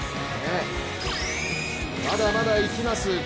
まだまだいきます。